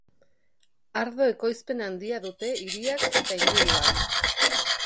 Ardo ekoizpen handia dute hiriak eta inguruak.